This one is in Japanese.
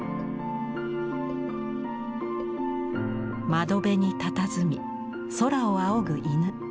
窓辺にたたずみ空を仰ぐ犬。